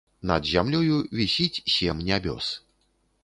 Над зямлёю вісіць сем нябёс.